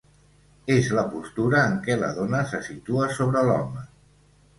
És la postura en què la dona se situa sobre l'home.